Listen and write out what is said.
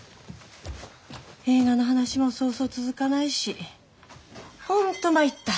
映画の話もそうそう続かないしホント参った。